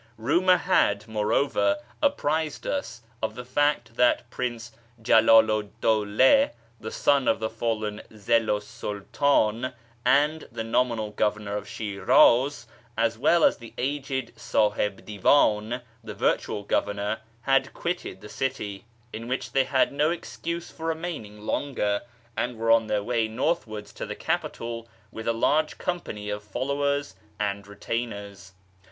Eumour had, moreover, apprised us of the fact that Prince Jalalu 'd Dawla (the son of the fallen Prince Zillu 's Sultan, and the nominal governor of Shi'raz), as well as the aged Sahib Divan, the virtual governor, had quitted the city, in which they had no excuse for remaining longer, and were on their way northwards to the capital with a large company of followers and retainers.